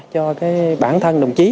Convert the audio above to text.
cho cái bản thân đồng chí